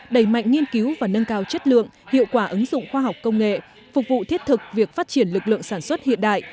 đẩy mạnh nghiên cứu và nâng cao chất lượng hiệu quả ứng dụng khoa học công nghệ phục vụ thiết thực việc phát triển lực lượng sản xuất hiện đại